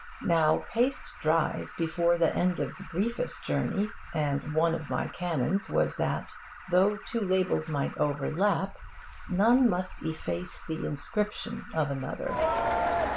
Now, paste dries before the end of the briefest journey; and one of my canons was that, though two labels might overlap, none must efface the inscription of another.